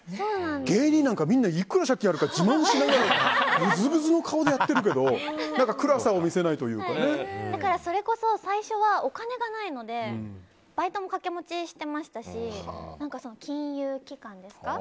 芸人なんかみんないくら借金あるか自慢しながらぐずぐずの顔でやってるけどそれこそ最初はお金がないのでバイトも掛け持ちしてましたし金融機関ですか？